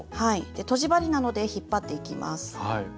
とじ針などで引っ張っていきます。